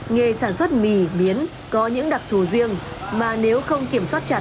nghề sản xuất mì biến có những đặc thù riêng mà nếu không kiểm soát chặt